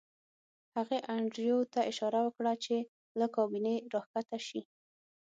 هغې انډریو ته اشاره وکړه چې له کابینې راښکته شي